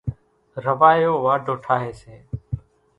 راوايو واڍو ٺاۿيَ سي۔